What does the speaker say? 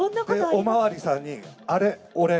お巡りさんに、あれ俺！